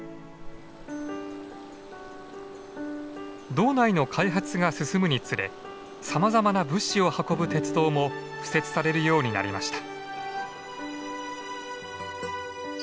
道内の開発が進むにつれさまざまな物資を運ぶ鉄道も敷設されるようになりました。